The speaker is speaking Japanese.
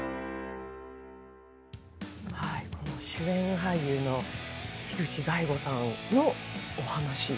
主演俳優の樋口大悟さんのお話。